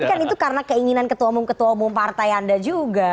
tapi kan itu karena keinginan ketua umum ketua umum partai anda juga